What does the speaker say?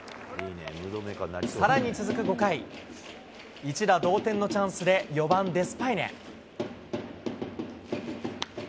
さらに続く５回、一打同点のチャンスで４番デスパイネ。